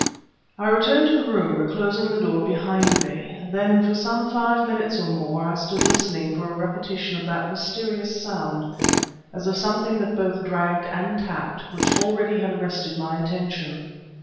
I returned to the room, reclosing the door behind me, then for some five minutes or more I stood listening for a repetition of that mysterious sound, as of something that both dragged and tapped, which already had arrested my attention.